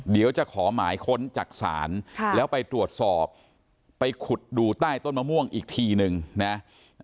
เดี๋ยวจะขอหมายค้นจากศาลแล้วไปตรวจสอบไปขุดดูใต้ต้นมะม่วงอีกทีนึงนะ